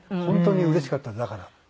本当にうれしかったのだから。